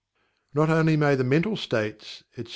Not only may the mental states, etc.